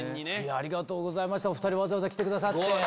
ありがとうございましたお２人わざわざ来てくださって。